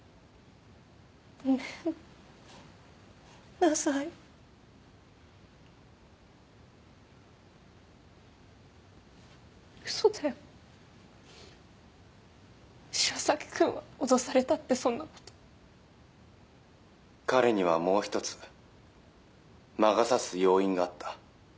ごめんなさいウソだよ城崎君は脅されたってそんなこと「彼にはもう一つ魔が差す要因があった」